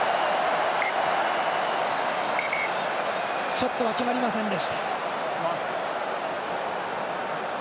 ショットは決まりませんでした。